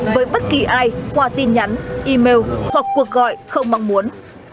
với bất kỳ ai qua tin nhắn email hoặc cuộc gọi không mong muốn